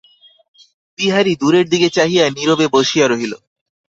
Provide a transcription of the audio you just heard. বিহারী দূরের দিকে চাহিয়া নীরবে বসিয়া রহিল।